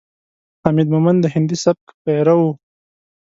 حمید مومند د هندي سبک پیرو ؤ.